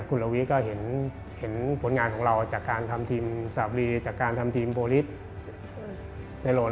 คุณละวิก็เห็นผลงานของเราจากการทำทีมสาบุรีจากการทำทีมโบลิสในโลน